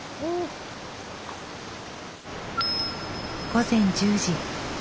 午前１０時。